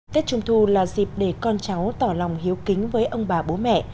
tết trung thu là dịp để con cháu tỏ lòng hiếu kính với ông bà bố mẹ